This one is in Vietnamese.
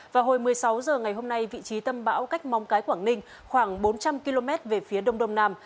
vào hồi một mươi sáu h ngày hôm nay vị trí tâm bão cách mong cái quảng ninh khoảng bốn trăm linh km về phía đông đông nam